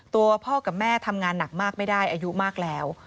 ตัวพ่อกับแม่ทำงานหนักมากไม่ได้อายุมากแล้ว